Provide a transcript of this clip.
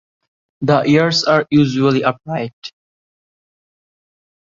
The ears are usually upright.